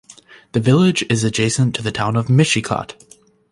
The village is adjacent to the Town of Mishicot.